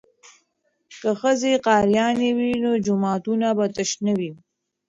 که ښځې قاریانې وي نو جوماتونه به تش نه وي.